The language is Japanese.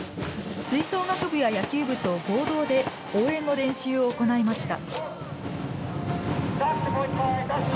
吹奏楽部や野球部と合同で応援の練習を行いました。